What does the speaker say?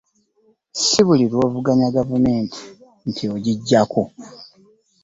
Si buli lw'ovuganya gavumenti nti ogiggyako